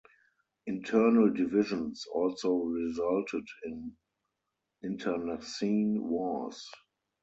Internal divisions also resulted in internecine wars.